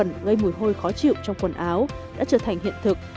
và các vi khuẩn gây mùi hôi khó chịu trong quần áo đã trở thành hiện thực